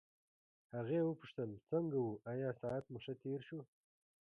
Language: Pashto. هغې وپوښتل څنګه وو آیا ساعت مو ښه تېر شو.